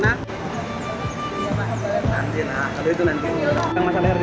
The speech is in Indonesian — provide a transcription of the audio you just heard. masalah rdp nanti teman teman warga kita akan datang ke sana ya